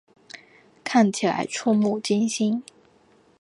看起来怵目惊心